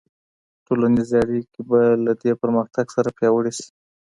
ټولنیزې اړیکې به له دې پرمختګ سره پیاوړې سي.